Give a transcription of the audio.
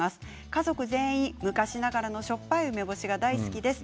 家族全員、昔ながらの酸っぱい梅干しが大好きです。